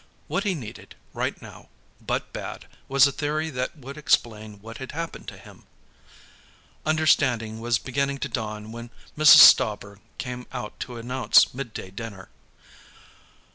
What he needed, right now, but bad, was a theory that would explain what had happened to him. Understanding was beginning to dawn when Mrs. Stauber came out to announce midday dinner.